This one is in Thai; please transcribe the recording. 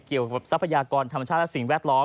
เกี่ยวกับทรัพยากรธรรมชาติและสิ่งแวดล้อม